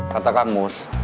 kata kang mus